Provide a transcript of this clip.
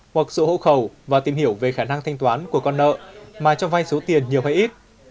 hoặc sự hộ khẩu và tìm hiểu về khả năng thanh toán của con nợ mà cho vai số tiền nhiều hay ít